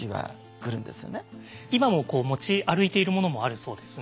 今もこう持ち歩いているものもあるそうですね。